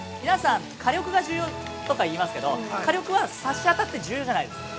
皆さん、火力が重要とか言いますけど、火力は差し当たって重要じゃないです。